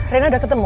rena udah ketemu